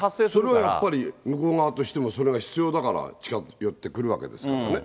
それはやっぱり、向こう側としてはそれは必要だから近寄ってくるわけですよね。